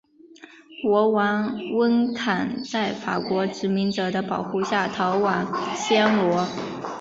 国王温坎在法国殖民者的保护下逃往暹罗。